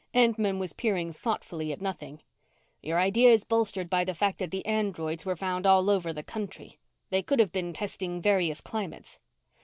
Entman was peering thoughtfully at nothing. "Your idea is bolstered by the fact that the androids were found all over the country. They could have been testing various climates."